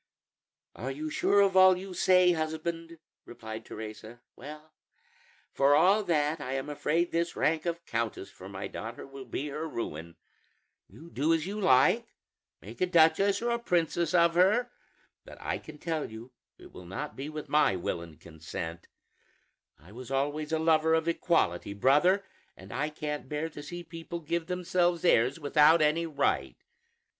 "Are you sure of all you say, husband?" replied Teresa. "Well, for all that, I am afraid this rank of countess for my daughter will be her ruin. You do as you like, make a duchess or a princess of her, but I can tell you it will not be with my will and consent. I was always a lover of equality, brother, and I can't bear to see people give themselves airs without any right.